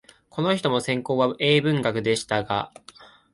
この人も専門は英文学でしたが、